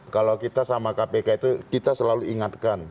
kalau kita sama kpk itu kita selalu ingatkan